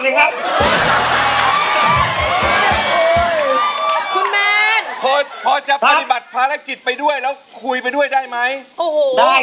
แล้วคุณแมนดันมาบอกช่วงที่แกก็ไม่ค่อยมีสมาธิเช่นกัน